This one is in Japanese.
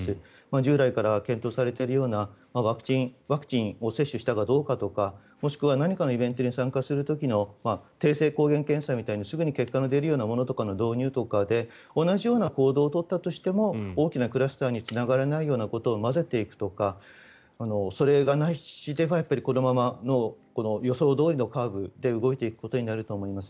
従来から検討されているようなワクチンを接種したかどうかとかもしくは何かのイベントに参加する時の定性抗原検査みたいにすぐに結果が出るものの導入とかで同じような行動を取ったとしても大きなクラスターにつながらないようなことを混ぜていくとかそれがないとこのままの予想どおりのカーブで動いていくことになると思います。